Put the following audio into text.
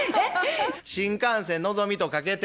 新幹線のぞみとかけて。